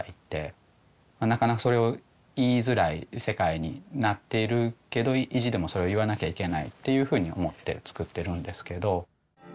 なかなかそれを言いづらい世界になっているけど意地でもそれを言わなきゃいけないっていうふうに思って作ってるんですけど。